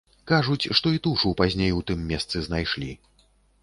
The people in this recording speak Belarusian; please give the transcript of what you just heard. Кажуць, што і тушу пазней у тым месцы знайшлі.